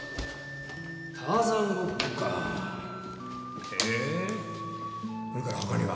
ターザンごっこかへぇーそれからほかには？